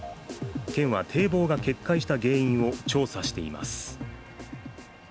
県は堤防が決壊した原因を調査しています。